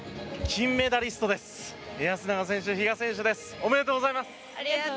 ありがとうございます。